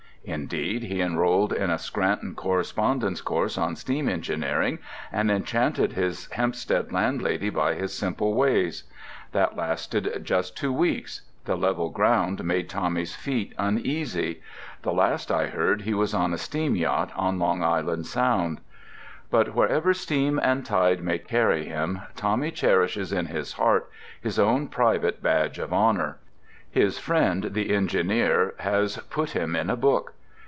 Indeed, he enrolled in a Scranton correspondence course on steam engineering and enchanted his Hempstead landlady by his simple ways. That lasted just two weeks. The level ground made Tommy's feet uneasy. The last I heard he was on a steam yacht on Long Island Sound. But wherever steam and tide may carry him, Tommy cherishes in his heart his own private badge of honour: his friend the engineer has put him in a book!